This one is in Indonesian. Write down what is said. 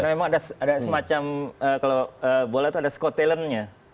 karena memang ada semacam kalau bola itu ada skotelannya